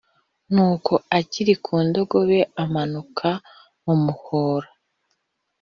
nuko akiri ku ndogobe amanuka mu muhora